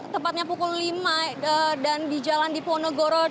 tempatnya pukul lima dan di jalan di ponegoro